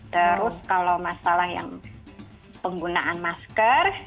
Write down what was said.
terus kalau masalah yang penggunaan masker